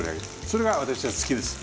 それが私は好きです。